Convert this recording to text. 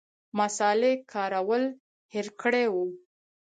مصالې کارول هېر کړي وو.